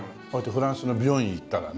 フランスの美容院行ったらね